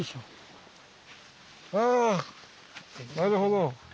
ああなるほど！